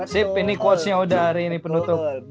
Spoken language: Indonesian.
sip ini quotesnya udah hari ini penutup